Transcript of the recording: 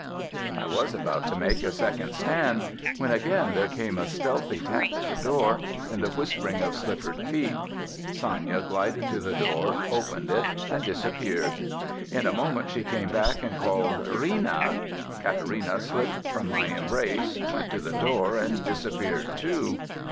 I was about to make a second stand, when again there came a stealthy tap at the door, and the whispering of slippered feet. Sanya glided to the door, opened it, and disappeared. In a moment she came back, and called, "'Rina!" Katarina slipped from my embrace, went to the door, and disappeared too.